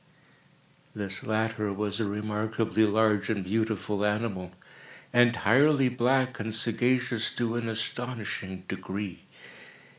This latter was a remarkably large and beautiful animal, entirely black, and sagacious to an astonishing degree.